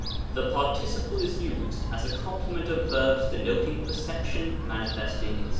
The participle is used as a complement of verbs denoting perception, manifesting, &c.